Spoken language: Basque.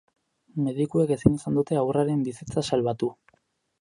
Medikuek ezin izan dute haurraren bizitza salbatu.